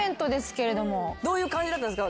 どういう感じだったんですか？